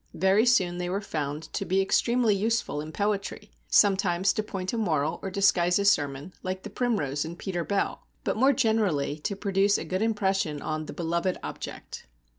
Very soon they were found to be extremely useful in poetry, sometimes to point a moral or disguise a sermon, like the primrose in Peter Bell, but more generally to produce a good impression on the BELOVED OBJECT.